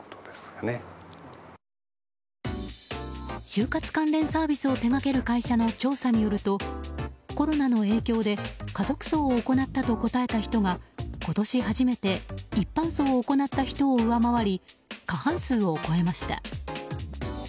終活関連サービスを手掛ける会社の調査によるとコロナの影響で家族葬を行ったと答えた人が今年初めて一般葬を行った人を上回り過半数を超えました。